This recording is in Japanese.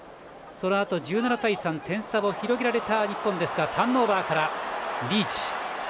そのあと１７対３と点差を広げられた日本ですがターンオーバーからリーチ。